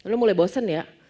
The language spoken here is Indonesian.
lo mulai bosen ya